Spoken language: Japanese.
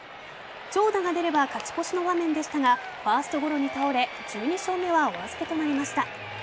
長打が出れば勝ち越しの場面でしたがファーストゴロに倒れ１２勝目はお預けとなりました。